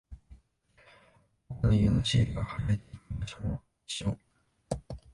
僕の家のシールが貼られていた場所も一緒。